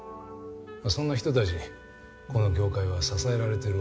そんな人たちにこの業界は支えられてるわけだ。